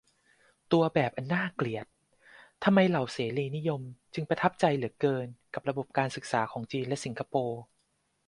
ตัวแบบอันน่าเกลียด : ทำไมเหล่าเสรีนิยม จึงประทับใจเหลือเกินกับระบบการศึกษาของจีนและสิงคโปร์ ?